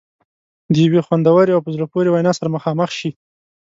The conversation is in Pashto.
د یوې خوندورې او په زړه پورې وینا سره مخامخ شي.